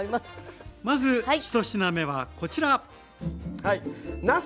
まず１品目はこちら。